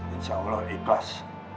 insya allah ikhlas